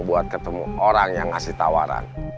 buat ketemu orang yang ngasih tawaran